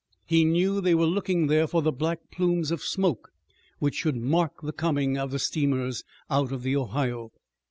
He knew they were looking there for the black plumes of smoke which should mark the coming of the steamers out of the Ohio.